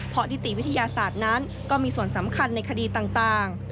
เพราะนิติวิทยาศาสตร์นั้นก็มีส่วนสำคัญในคดีต่าง